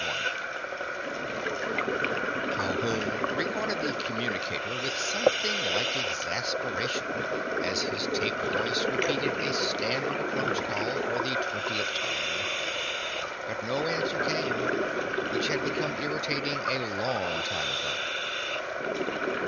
I Calhoun regarded the communicator with something like exasperation as his taped voice repeated a standard approach call for the twentieth time. But no answer came, which had become irritating a long time ago.